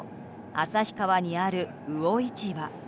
旭川にある魚市場。